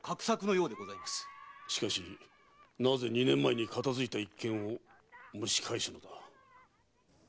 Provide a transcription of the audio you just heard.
しかしなぜ二年前に片づいた一件を蒸し返すのだ。